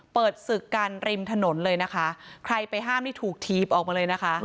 เปิดศึกกันริมถนนเลยใครไปห้ามถูกทีบออกมาเลย